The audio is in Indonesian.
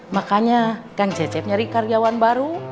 makanya kang cecep nyari karyawan baru